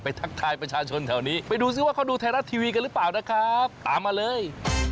ทักทายประชาชนแถวนี้ไปดูซิว่าเขาดูไทยรัฐทีวีกันหรือเปล่านะครับตามมาเลย